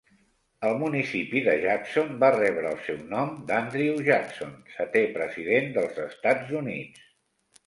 El municipi de Jackson va rebre el seu nom d'Andrew Jackson, setè president dels Estats Units.